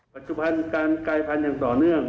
ปัจจุบันการกายพันธุ์อย่างต่อเนื่อง